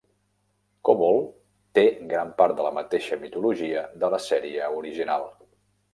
Kobol té gran part de la mateixa mitologia de la sèrie original.